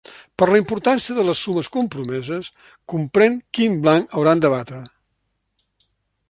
Per la importància de les sumes compromeses, comprèn quin blanc hauran d'abatre.